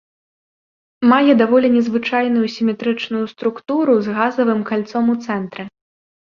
Мае даволі незвычайную сіметрычную структуру з газавым кальцом у цэнтры.